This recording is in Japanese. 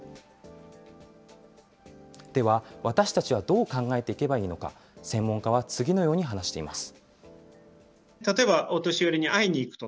では、私たちはどう考えていけばいいのか、専門家は次のように話しています。